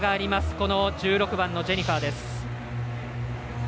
この１６番のジェニファーです。